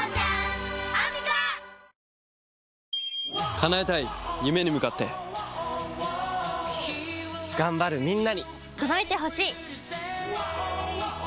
叶えたい夢に向かって頑張るみんなに届いてほしい！